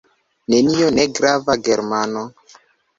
Nenio: negrava Germano.